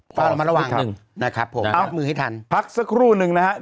พอเรามาระวังหนึ่งนะครับผมเอามือให้ทันพักสักครู่หนึ่งนะฮะ